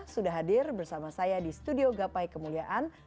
sudah hadir bersama saya di studio gapai kemuliaan